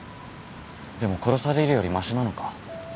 でも殺されるよりましなのか？